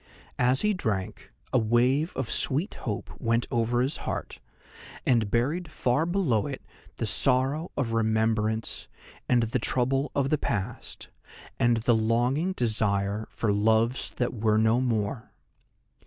As he drank, a wave of sweet hope went over his heart, and buried far below it the sorrow of remembrance, and the trouble of the past, and the longing desire for loves that were no more.